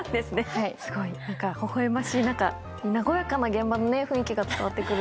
ほほ笑ましい何か和やかな現場の雰囲気が伝わって来る。